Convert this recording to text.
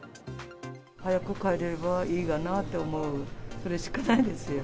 早く帰れればいいかなって思う、それしかないですよ。